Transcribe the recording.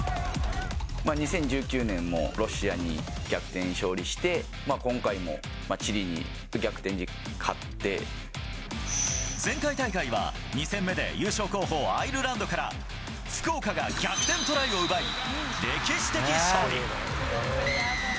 ２０１９年もロシアに逆転勝利して、前回大会は、２戦目で優勝候補、アイルランドから、福岡が逆転トライを奪い、歴史的勝利。